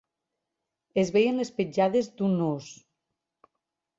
Es veien les petjades d'un os.